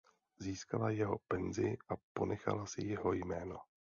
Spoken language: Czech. Získala jeho penzi a ponechala si jeho jméno.